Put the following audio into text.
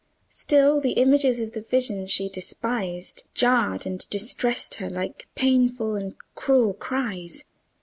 Still the images of the vision she despised jarred and distressed her like painful and cruel cries.